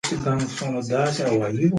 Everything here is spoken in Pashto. ګرګين يو جاه طلبه او مغرور انسان و.